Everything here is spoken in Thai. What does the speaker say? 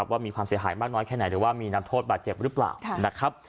ว่ามีความเสียหายมากน้อยแค่ไหนหรือว่ามีนักโทษบาดเจ็บหรือเปล่านะครับ